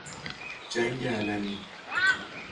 جنگ علنی